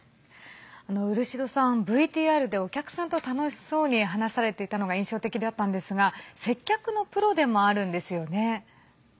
漆戸さん、ＶＴＲでお客さんと楽しそうに話されていたのが印象的だったんですが接客のプロでもあるんですよね。